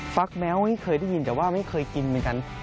ฟักแม้วไม่เคยได้ยินแต่ว่าไม่เคยกินเหมือนกัน